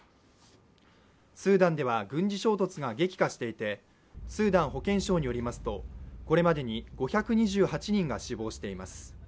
スーダンでは軍事衝突が激化していて、スーダン保健省によりますとこれまでに５２８人が死亡しています